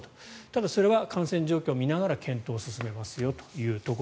ただそれは感染状況を見ながら検討を進めますと。